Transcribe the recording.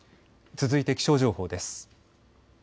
続いて気象情報です。